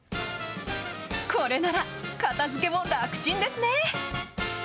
これなら、片づけも楽ちんですね。